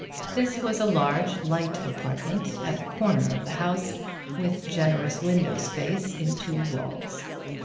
This was a large, light apartment at the corner of the house, with generous window space in two walls.